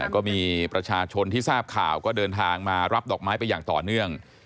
ก็มีประชาชนที่ทราบข่าวก็เดินทางมารับดอกไม้ไปอย่างต่อเนื่อง